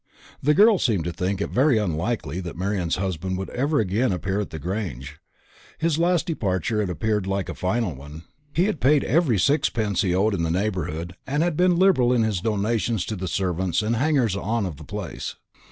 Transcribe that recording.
The girl seemed to think it very unlikely that Marian's husband would ever again appear at the Grange. His last departure had appeared like a final one. He had paid every sixpence he owed in the neighbourhood, and had been liberal in his donations to the servants and hangers on of the place.